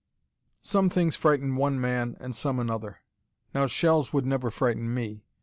"Some things frighten one man, and some another. Now shells would never frighten me.